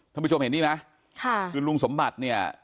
ผู้ชมเห็นนี่ไหมค่ะคือลุงสมบัติเนี่ย